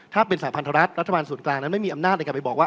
ถ้าเป็นสายพันธรัฐรัฐบาลส่วนกลางนั้นไม่มีอำนาจในการไปบอกว่า